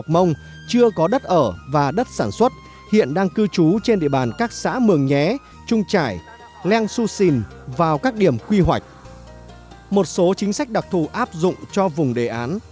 một số chính sách đặc thù áp dụng cho vùng đề án